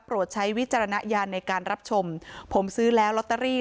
ใช้วิจารณญาณในการรับชมผมซื้อแล้วลอตเตอรี่